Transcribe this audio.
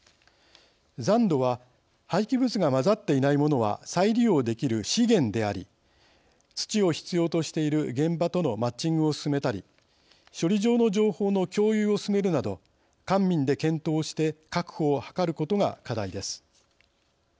残土は廃棄物が混ざっていないものは再利用できる資源であり土を必要としている現場とのマッチングを進めたり処理場の情報の共有を進めるなど官民で検討して確保を図ることが課題です。